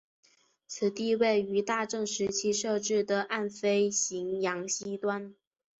此地位于大正时期设置的岸飞行场西端。